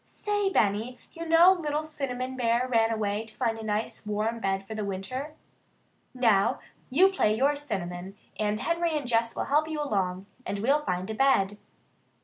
"Say, Benny, you know little Cinnamon Bear ran away to find a nice warm bed for the winter? Now, you play you're Cinnamon, and Henry and Jess will help you along, and we'll find a bed."